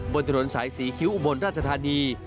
บนถนนสายศรีคิ้วอุบลราชธานี